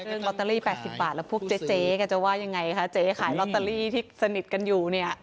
ลอตเตอรี่๘๐บาทแล้วพวกเจ๊แกจะว่ายังไงคะเจ๊ขายลอตเตอรี่ที่สนิทกันอยู่เนี่ย